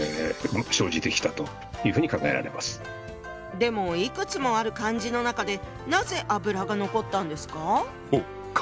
でもいくつもある漢字の中でなぜ「油」が残ったんですか？